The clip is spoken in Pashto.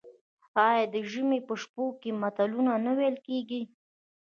آیا د ژمي په شپو کې متلونه نه ویل کیږي؟